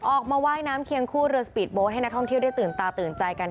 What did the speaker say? ออกมาว่าน้้ำเคียงคู่เรือให้นักท่องเที่ยวได้ตื่นตาตื่นใจกัน